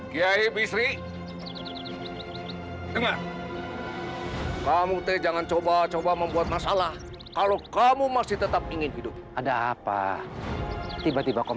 kita harus melakukan sesuatu